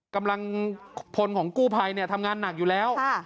กำลังพลของกู้ภัยเนี่ยทำงานหนักอยู่แล้ว